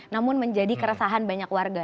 namun menjadi keresahan banyak warga